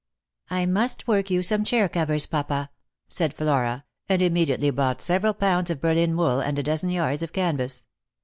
" I must work you some chair covers, papa," said Flora, and immediately bought several pounds of Berlin wool and a dozen yards of canvas.